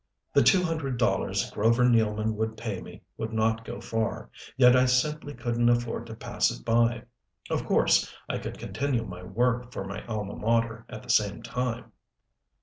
The two hundred dollars Grover Nealman would pay me would not go far, yet I simply couldn't afford to pass it by. Of course I could continue my work for my alma mater at the same time.